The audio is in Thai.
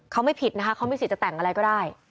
เขาไม่ผิดนะคะเขามีสิทธิ์แต่งอะไรก็ได้